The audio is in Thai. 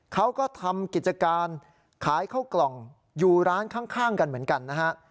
เขาก็ทำกิจการขายเข้ากล่องอยู่ร้านข้างกันเหมือนกันนะฮะ